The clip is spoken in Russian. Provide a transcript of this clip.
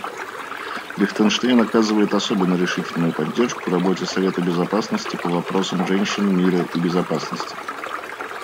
Лихтенштейн оказывает особенно решительную поддержку работе Совета Безопасности по вопросам женщин, мира и безопасности.